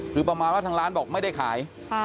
คือประมาณว่าทางร้านบอกไม่ได้ขาย